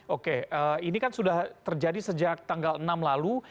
oke ini kan sudah terjadi sejak tanggal enam lalu